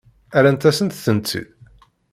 Rrant-asent-tent-id?